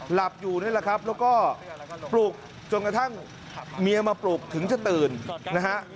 หลับอยู่นี่แหละครับแล้วก็ปลุกจนกระทั่งเมียมาปลุกถึงจะตื่นนะฮะ